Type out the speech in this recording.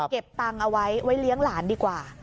เก็บตังค์เอาไว้ไว้เลี้ยงหลานดีกว่า